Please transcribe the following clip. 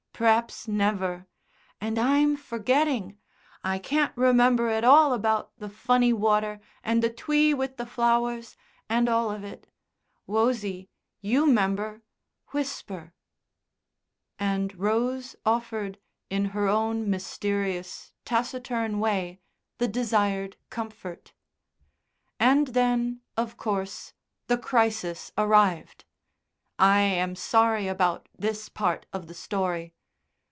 P'r'aps never. And I'm forgetting. I can't remember at all about the funny water and the twee with the flowers, and all of it. Wosie, you 'member Whisper." And Rose offered in her own mysterious, taciturn way the desired comfort. And then, of course, the crisis arrived. I am sorry about this part of the story.